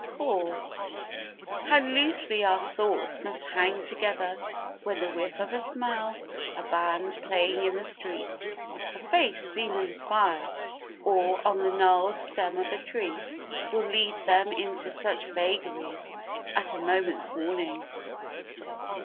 iv How loosely our thoughts must hang together when the whiff of a smell, a band playing in the street, a face seen in the fire, or on the gnarled stem of a tree, will lead them into such vagaries at a moment's warning.